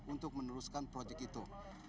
untuk meneruskan proyek itu